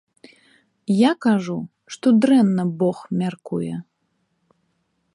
Я кажу, што дрэнна бог мяркуе.